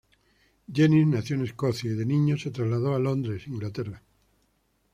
Jennings nació en Escocia y de niño se trasladó a Londres, Inglaterra.